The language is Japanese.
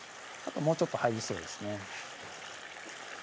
もうちょっと入りそうですね